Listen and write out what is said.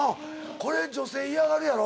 これ女性嫌がるやろ？